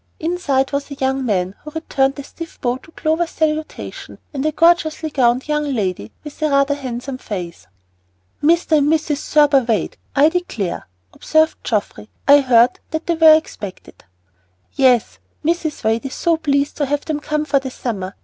Inside was a young man, who returned a stiff bow to Clover's salutation, and a gorgeously gowned young lady with rather a handsome face. "Mr. and Mrs. Thurber Wade, I declare," observed Geoffrey. "I heard that they were expected." "Yes, Mrs. Wade is so pleased to have them come for the summer.